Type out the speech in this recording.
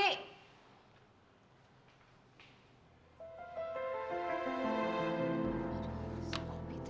si opi teh